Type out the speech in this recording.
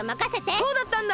そうだったんだ！